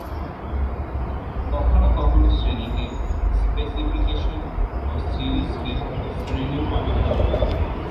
কখনো কখনো শ্রেণীকে স্পেসিফিকেশন ও সিরিজকে শ্রেণী বলা হয়ে থাকে।